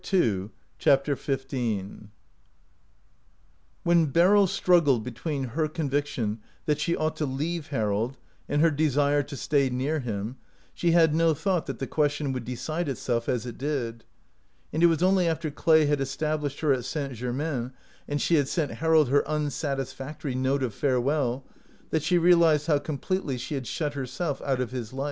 1 80 CHAPTER XV WHEN Beryl struggled between her conviction that she ought to leave Harold and her desire to stay near him, she had no thought that the question would de cide itself as it did ; and it was only after Clay had established her at St. Germain, and she had sent Harold her unsatisfactory note of farewell, that she realized how completely she had shut herself out of his life.